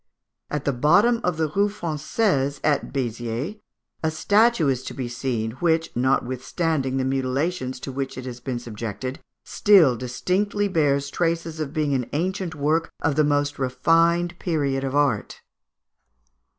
At the bottom of the Rue Française at Béziers, a statue is to be seen which, notwithstanding the mutilations to which it has been subjected, still distinctly bears traces of being an ancient work of the most refined period of art.